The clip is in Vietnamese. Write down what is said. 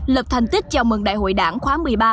lập thành tích chào mừng đại hội đảng khóa một mươi ba